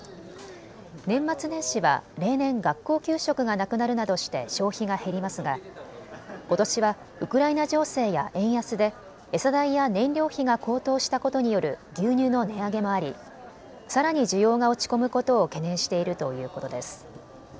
年末年始は例年、学校給食がなくなるなどして消費が減りますがことしはウクライナ情勢や円安で餌代や燃料費が高騰したことによる牛乳の値上げもありさらに需要が落ち込むことを懸念しているということです。